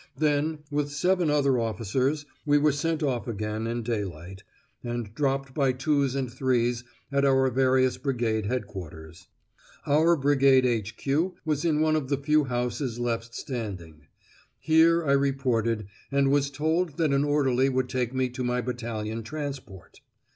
Then, with seven other officers, we were sent off again in daylight, and dropped by twos and threes at our various Brigade Headquarters. Our "Brigade H.Q." was in one of the few houses left standing. Here I reported, and was told that an orderly would take me to my battalion transport.